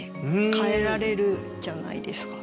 変えられるじゃないですか。